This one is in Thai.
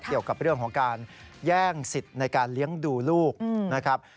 เกี่ยวกับเรื่องของการแย่งสิทธิ์ในการเลี้ยงดูลูกนะครับ